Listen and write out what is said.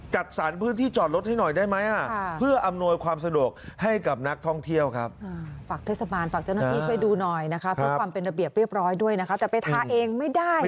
จัดสารพื้นที่จอดรถให้หน่อยได้ไหม